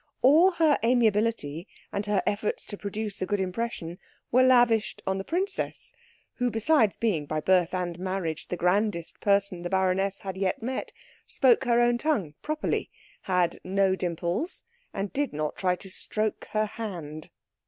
All her amiability and her efforts to produce a good impression were lavished on the princess, who besides being by birth and marriage the grandest person the baroness had yet met, spoke her own tongue properly, had no dimples, and did not try to stroke her hand.